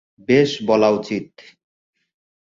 বেশ, বলা উচিত।